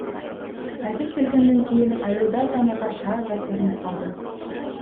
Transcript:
Кайтып келгенден кийин айылдар да мага шаардай көрүнүп калды.